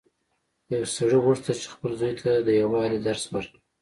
یو سړي غوښتل چې خپل زوی ته د یووالي درس ورکړي.